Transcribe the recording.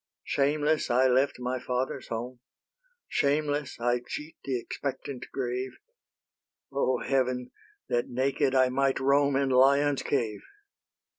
Shameless I left my father's home; Shameless I cheat the expectant grave; O heaven, that naked I might roam In lions' cave!